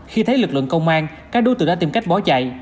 khi thấy lực lượng công an các đối tượng đã tìm cách bỏ chạy